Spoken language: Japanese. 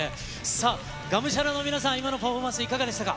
さあ、我無沙羅の皆さん、今のパフォーマンスいかがでしたか？